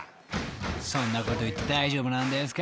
［そんなこと言って大丈夫なんですか？